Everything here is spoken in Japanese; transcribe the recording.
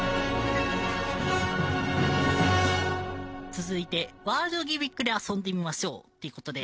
続いてワールドギミックで遊んでみましょうという事で。